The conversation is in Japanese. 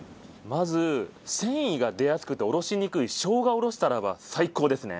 まず繊維が出やすくておろしにくい生姜をおろしたらば最高ですね。